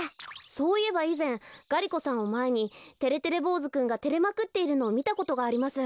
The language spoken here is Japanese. そういえばいぜんがり子さんをまえにてれてれぼうずくんがてれまくっているのをみたことがあります。